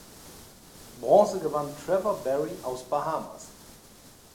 Bronze gewann Trevor Barry aus Bahamas.